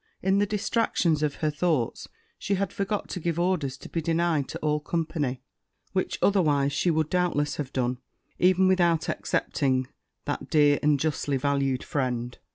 In the distraction of these thoughts she had forgot to give orders to be denied to all company, which otherwise she would doubtless have done, even without excepting that dear and justly valued friend.